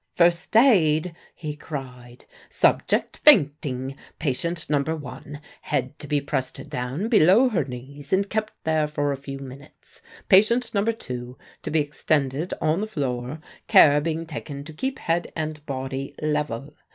"First aid!" he cried. "Subject: Fainting. Patient No. 1, head to be pressed down below her knees and kept there for a few minutes. Patient No. 2, to be extended on the floor, care being taken to keep head and body level.